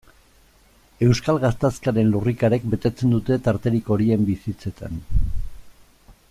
Euskal Gatazkaren lurrikarek betetzen dute tarterik horien bizitzetan.